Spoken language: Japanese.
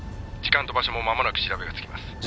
時間と場所も間もなく調べがつきます。